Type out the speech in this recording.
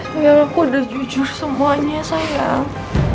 biar aku udah jujur semuanya sayang